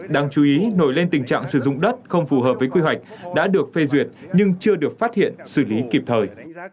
đáng chú ý nổi lên tình trạng sử dụng đất không phù hợp với quy hoạch đã được phê duyệt nhưng chưa được phát hiện xử lý kịp thời